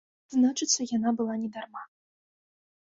Значыцца яна была не дарма.